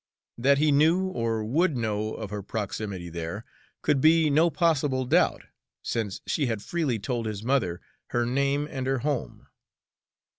That he knew or would know of her proximity there could be no possible doubt, since she had freely told his mother her name and her home.